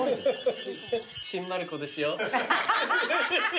新丸子ですよ。